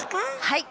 はい！